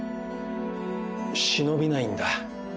忍びないんだ